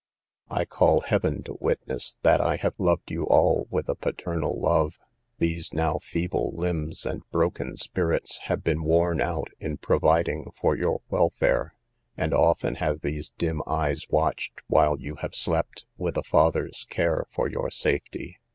I call heaven to witness, that I have loved you all with a paternal love: these now feeble limbs and broken spirits have been worn out in providing for your welfare, and often have these dim eyes watched while you have slept, with a father's care for your safety.